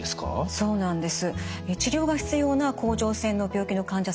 そうなんです。